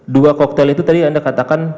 dua koktel itu tadi anda katakan